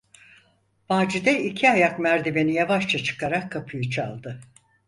Macide iki ayak merdiveni yavaşça çıkarak kapıyı çaldı.